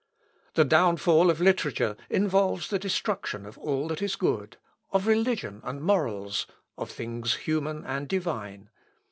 The downfall of literature involves the destruction of all that is good of religion and morals of things human and divine.